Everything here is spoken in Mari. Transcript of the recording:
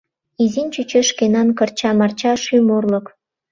Изин чучеш шкенан кырча-марча шӱм орлык.